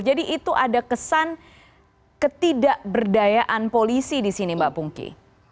jadi itu ada kesan ketidakberdayaan polisi di sini mbak pungki